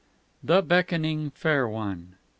THE BECKONING FAIR ONE II.